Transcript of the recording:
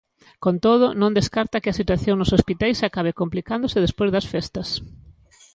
Con todo, non descarta que a situación nos hospitais acabe complicándose despois das festas.